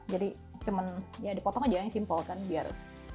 jadi cuman ya dipotong aja yang simpel kan biar